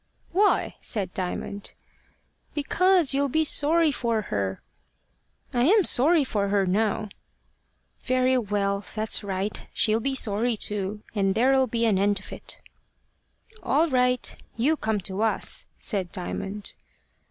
"Why?" said Diamond. "Because you'll be sorry for her." "I am sorry for her now." "Very well. That's right. She'll be sorry too. And there'll be an end of it." "All right. You come to us," said Diamond.